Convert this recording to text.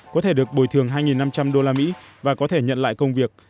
có thể được bồi thường hai năm trăm linh đô la mỹ và có thể nhận lại công việc